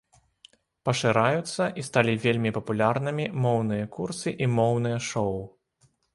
Пашыраюцца і сталі вельмі папулярнымі моўныя курсы і моўныя шоў.